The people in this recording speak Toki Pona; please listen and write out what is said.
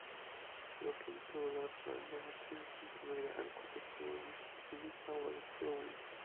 lukin tu laso en nena sinpin pimeja en kute suli. ni li soweli suwi!